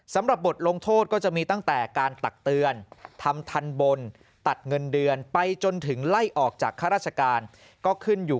สำหรับบทลงโทษก็จะมีตั้งแต่การตักเตือนทำทันบนตัดเงินเดือนไปจนถึงไล่ออกจากข้าราชการก็ขึ้นอยู่